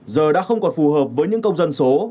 giờ đã không còn phù hợp với những công dân số